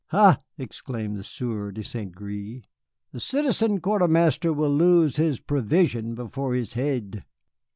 "Ha," exclaimed the Sieur de St. Gré, "the Citizen Quartermaster will lose his provision before his haid."